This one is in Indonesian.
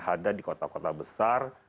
ada di kota kota besar